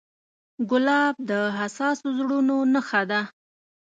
ګلاب د حساسو زړونو نښه ده.